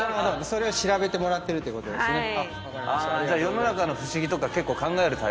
それを調べてもらってるってことですね。